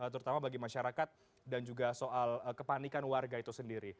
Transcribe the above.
terutama bagi masyarakat dan juga soal kepanikan warga itu sendiri